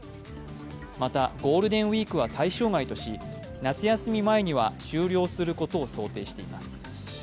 またゴールデンウイークは対象外とし、夏休み前には終了することを想定しています。